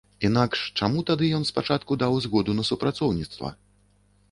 Інакш чаму тады ён спачатку даў згоду на супрацоўніцтва?